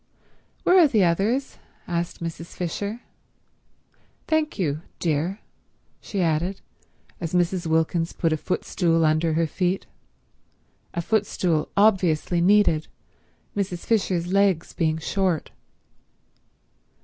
"Where are the others?" asked Mrs. Fisher. "Thank you—dear," she added, as Mrs. Wilkins put a footstool under her feet, a footstool obviously needed, Mrs. Fisher's legs being short.